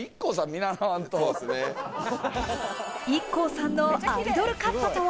ＩＫＫＯさんのアイドルカットとは？